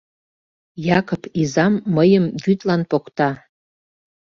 Якып изам мыйым вӱдлан покта.